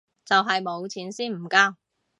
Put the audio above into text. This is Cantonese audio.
就係冇錢先唔交